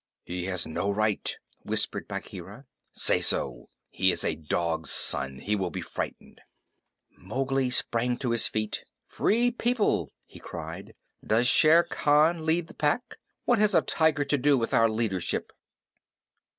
"He has no right," whispered Bagheera. "Say so. He is a dog's son. He will be frightened." Mowgli sprang to his feet. "Free People," he cried, "does Shere Khan lead the Pack? What has a tiger to do with our leadership?"